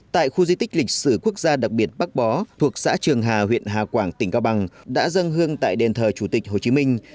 tại khu di tích lịch sử quốc gia đặc biệt bắc bó thuộc xã trường hà huyện hà quảng tỉnh cao bằng đã dâng hương tại đền thờ chủ tịch hồ chí minh